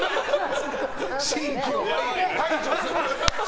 新規を排除する。